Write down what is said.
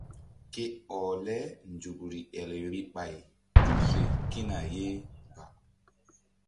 Ke ɔh le nzukri el vbi ɓay tu fe kína ye ɓa.